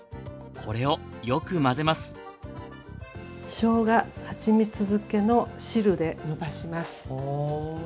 これをよく混ぜますしょうがはちみつ漬けの汁でのばします。